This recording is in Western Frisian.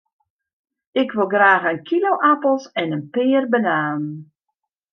Ik wol graach in kilo apels en in pear bananen.